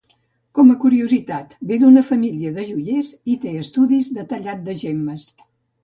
Com a curiositat, ve d'una família de joiers i té estudis de tallat de gemmes.